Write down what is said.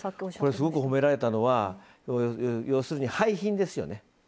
すごく褒められたのは要するに廃品ですよね。